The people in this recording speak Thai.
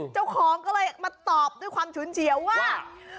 เจ้าของก็เลยมาตอบด้วยความฉุนเฉียวว่า